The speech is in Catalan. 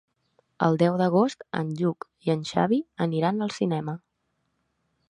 El deu d'agost en Lluc i en Xavi aniran al cinema.